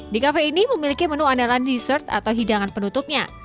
di kafe ini memiliki menu andalan dessert atau hidangan penutupnya